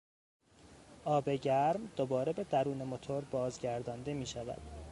آب گرم دوباره به درون موتور بازگردانده میشود.